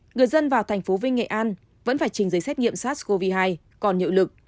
người dân vào thành phố vinh nghệ an vẫn phải trình giấy xét nghiệm sars cov hai còn hiệu lực